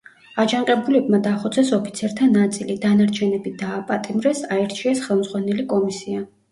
აჯანყებულებმა დახოცეს ოფიცერთა ნაწილი, დანარჩენები დააპატიმრეს, აირჩიეს ხელმძღვანელი კომისია.